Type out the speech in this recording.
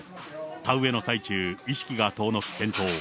田植えの最中、意識が遠のき転倒。